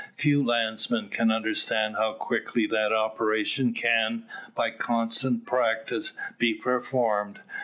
Few landsmen can understand how quickly that operation can, by constant practice, be performed.